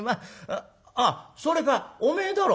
あっそれかお前だろ